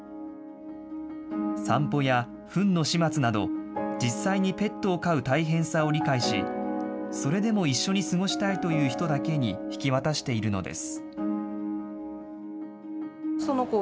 散歩やふんの始末など、実際にペットを飼う大変さを理解し、それでも一緒に過ごしたいという人だけに引き渡しているのです。